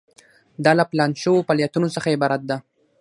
دا له پلان شوو فعالیتونو څخه عبارت ده.